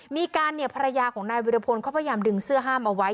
มีการเนี่ยภรรยาของนายวิรพลเขาพยายามดึงเสื้อห้ามเอาไว้